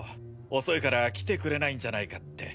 遅いから来てくれないんじゃないかって。